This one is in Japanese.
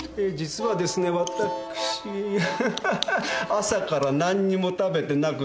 朝からなんにも食べてなくって。